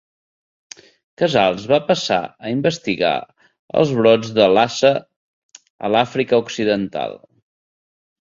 Casals va passar a investigar els brots de Lassa a l'Àfrica occidental.